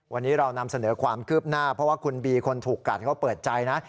วันนี้เรานำเสนอความคืบหน้าเพราะว่าคุณบีคนถูกกัดเขาเปิดใจนะ